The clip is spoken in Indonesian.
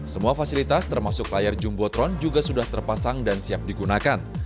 semua fasilitas termasuk layar jumbotron juga sudah terpasang dan siap digunakan